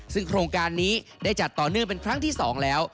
ซึ่งโครงการนี้ได้จัดต่อเนื่องเป็นครั้งที่๒แล้ว